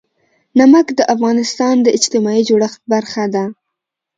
نمک د افغانستان د اجتماعي جوړښت برخه ده.